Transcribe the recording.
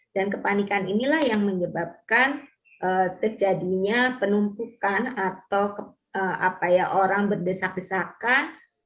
dan kepanikan inilah yang menyebabkan terjadinya penumpukan atau orang berdesak desakan